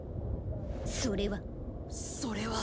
それは。それは。